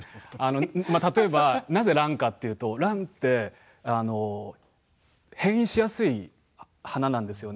例えばなぜ、ランかというとランって変異しやすい花なんですよね。